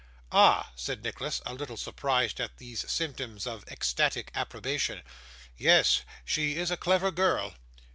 'Ah!' said Nicholas, a little surprised at these symptoms of ecstatic approbation. 'Yes she is a clever girl.